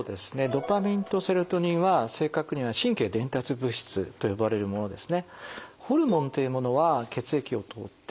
ドパミンとセロトニンは正確には神経伝達物質と呼ばれるものですね。